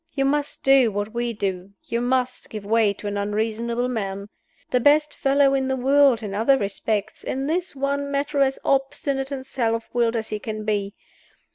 You must do what we do you must give way to an unreasonable man. The best fellow in the world in other respects: in this one matter as obstinate and self willed as he can be.